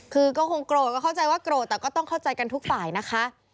คือก็คงโกรธก็เข้าใจว่าโกรธแต่ก็ต้องเข้าใจกันทุกฝ่ายนะคะ